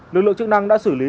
lực lượng chức năng đã xử lý